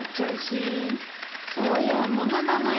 そういうものなのよ